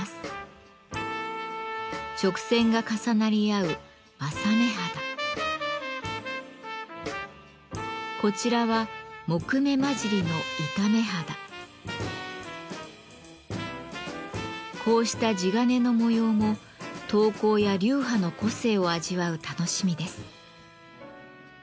直線が重なり合うこちらはこうした地鉄の模様も刀工や流派の個性を味わう楽しみです。